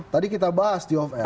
tadi kita bahas tiof r